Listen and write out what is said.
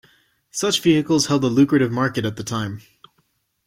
Such vehicles held a lucrative market at the time.